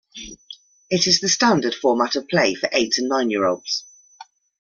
It is the standard format of play for eight- and nine-year-olds.